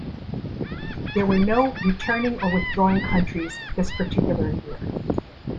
There were no returning or withdrawing countries this particular year.